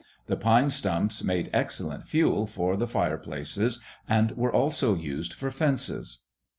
The pine stumps made excellent fuel for the fire places and were also used for fences.